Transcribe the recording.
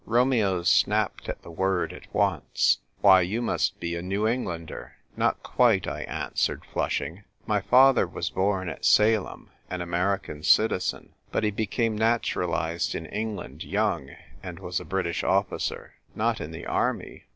Romeo snapped at the word at once. " Why, you must be a New Englander !"" Not quite," I answered, flushing. " My father was born at Salem, an American citizen ; but he became naturalised in England young, and was a British officer." " Not in the army